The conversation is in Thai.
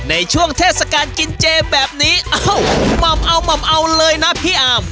ในช่วงเทศกาลกินเจแบบนี้เอ้าหม่ำเอาหม่ำเอาเลยนะพี่อาร์ม